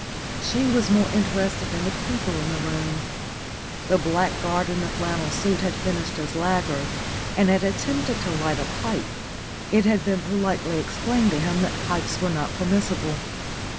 She was more interested in the people in the room. The blackguard in the flannel suit had finished his lager and had attempted to light a pipe; it had been politely explained to him that pipes were not permissible.